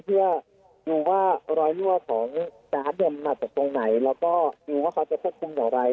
ที่ดูว่ารอยลั่วของจ๊ะเด็มมาจากตรงไหนแล้วก็ดูว่าเขาจะควบคุมอย่างไร